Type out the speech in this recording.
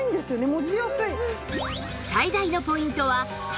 持ちやすい。